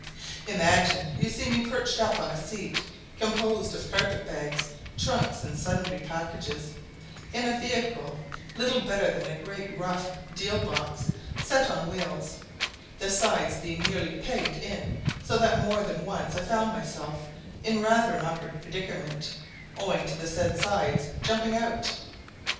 Imagine you see me perched up on a seat composed of carpet bags, trunks, and sundry packages, in a vehicle little better than a great rough deal box set on wheels, the sides being merely pegged in so that more than once I found myself in rather an awkward predicament, owing to the said sides jumping out.